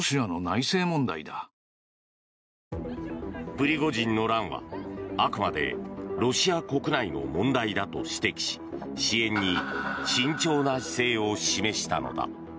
プリゴジンの乱は、あくまでロシア国内の問題だと指摘し支援に慎重な姿勢を示したのだ。